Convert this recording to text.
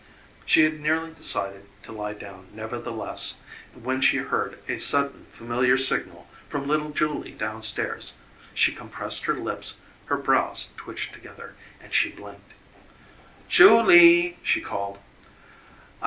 She had nearly decided to lie down, nevertheless, when she heard a sudden familiar signal from little Julie down stairs. She compressed her lips, her brows twitched together, and she blinked. "Julie!" she called.